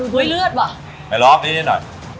ดูด้วยเลือดว่ะ